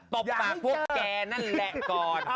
ตบปากพวกแกนั่นแหละก่อน